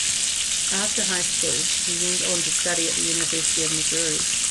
After high school, he went on to study at the University of Missouri.